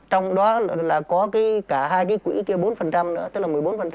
trong đó là có cái cả hai cái quỹ kia bốn nữa tức là một mươi bốn